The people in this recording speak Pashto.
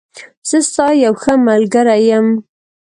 زه ستا یوښه ملګری یم.